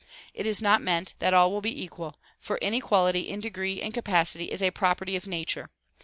It is not meant that all will be equal, for inequality in degree and capacity is a property of nature.